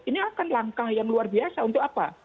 ini akan langkah yang luar biasa untuk apa